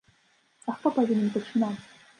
А хто павінен пачынаць?